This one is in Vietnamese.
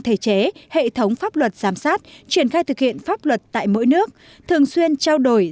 thể chế hệ thống pháp luật giám sát triển khai thực hiện pháp luật tại mỗi nước thường xuyên trao đổi